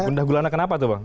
gundah gulana kenapa tuh bang